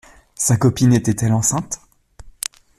Sa copine était-elle enceinte?